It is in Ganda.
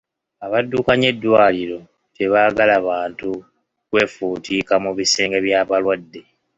Abaddukanya eddwaliro tebaagala bantu kwefuutiika mu bisenge by'abalwadde.